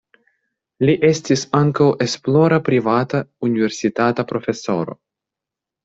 Li estis ankaŭ esplora privata universitata profesoro.